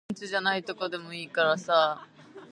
It is now served by coach services.